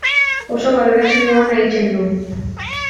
Oso balorazio ona egiten dugu.